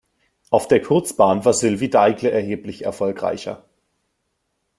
Auf der Kurzbahn war Sylvie Daigle erheblich erfolgreicher.